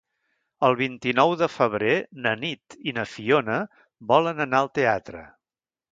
El vint-i-nou de febrer na Nit i na Fiona volen anar al teatre.